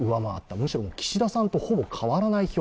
むしろ岸田さんとそう変わらない票